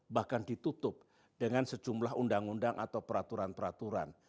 bahkan ditutup dengan sejumlah undang undang atau peraturan peraturan